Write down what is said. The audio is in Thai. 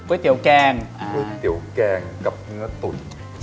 ก๋วยเจี๋ยวแกงกับเนื้อตูน